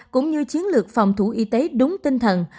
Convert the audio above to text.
cũng như chiến lược phòng thủ y tế đúng tinh thần